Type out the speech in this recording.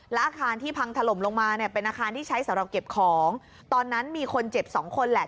และอาคารที่พังถล่มลงมาเนี่ยเป็นอาคารที่ใช้สำหรับเก็บของตอนนั้นมีคนเจ็บสองคนแหละ